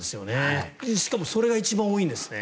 しかもそれが一番多いんですよね。